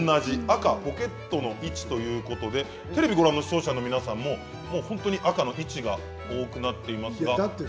赤のポケットの位置ということでテレビをご覧の視聴者の皆さんも赤の位置が多くなっていますが。